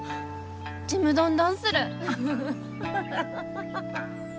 ちむどんどんする。